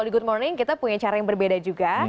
di good morning kita punya cara yang berbeda juga